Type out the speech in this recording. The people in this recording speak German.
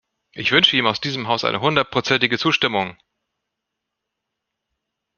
Ich wünsche ihm aus diesem Haus eine hundertprozentige Zustimmung!